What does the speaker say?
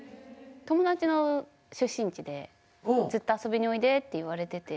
友達の出身地でずっと「遊びにおいで」って言われてて。